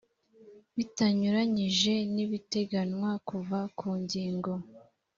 bitanyuranyije n ibiteganywa kuva ku ngingo